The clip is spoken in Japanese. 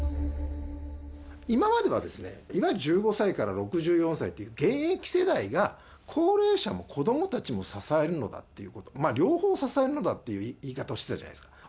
今までは、いわゆる１５歳から６４歳っていう、現役世代が高齢者も子どもたちも支えるんだっていうこと、両方を支えるんだっていう言い方をしてたじゃないですか。